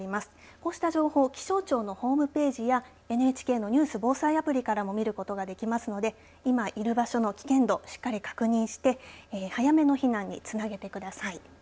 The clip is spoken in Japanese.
こうした情報気象庁のホームページやＮＨＫのニュース・防災アプリからも見ることができますので今いる場所の危険度しっかり確認して早めの避難につなげてください。